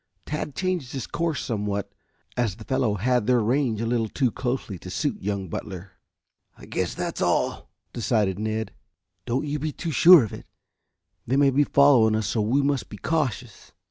Tad changed his course somewhat, as the fellow had their range a little too closely to suit young Butler. "I guess that's all," decided Ned. "Don't be too sure of it. They may be following us, so we must be cautious."